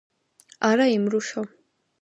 არა იმრუშო.